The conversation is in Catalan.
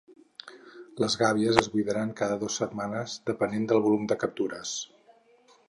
Les gàbies es buidaran cada dos setmanes depenent del volum de captures.